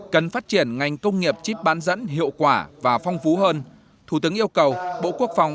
cần phát triển ngành công nghiệp chip bán dẫn hiệu quả và phong phú hơn thủ tướng yêu cầu bộ quốc phòng